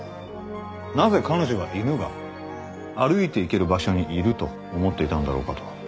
なぜ彼女が犬が歩いていける場所にいると思っていたんだろうかと。